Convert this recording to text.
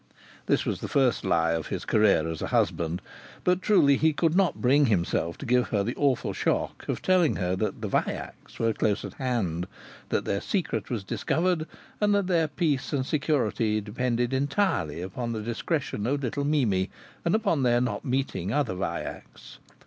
This was the first lie of his career as a husband. But truly he could not bring himself to give her the awful shock of telling her that the Vaillacs were close at hand, that their secret was discovered, and that their peace and security depended entirely upon the discretion of little Mimi and upon their not meeting other Vaillacs.